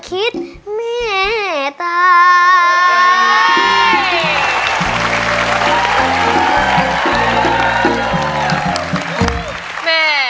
ครับ